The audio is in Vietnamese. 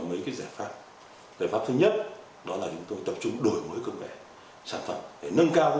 mấy cái giải pháp giải pháp thứ nhất đó là chúng tôi tập trung đổi mới công nghệ sản phẩm để nâng cao